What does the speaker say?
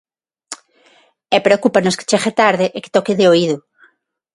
E preocúpanos que chegue tarde e que toque de oído.